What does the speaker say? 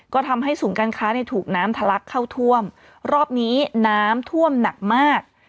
ก็ทำให้ศูนย์การค้าเนี่ยถูกน้ำทะลักเข้าท่วมรอบนี้น้ำท่วมหนักมาก